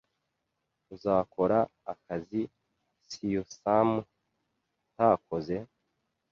Uzakora akazi Seosamh atakoze?